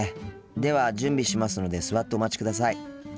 では準備しますので座ってお待ちください。